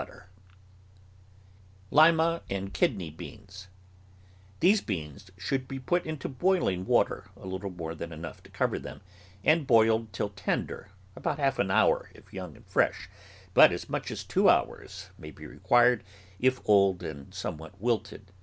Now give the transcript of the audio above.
THE VEGETABLE GARDEN LIMA AND KIDNEY BEANS These beans should be put into boihng water — a little more than enough to cover them — and boiled till tender, about half an hour if young and fresh, but as much as two hours may be required if old and somewhat wilted.